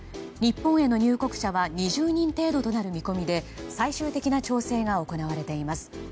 日本への入国者は２０人程度となる見込みで最終的な調整が行われています。